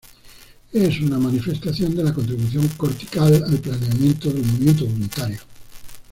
Es una manifestación de la contribución cortical al planeamiento del movimiento voluntario.